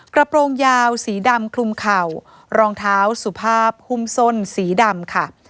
โปรงยาวสีดำคลุมเข่ารองเท้าสุภาพหุ้มส้นสีดำค่ะ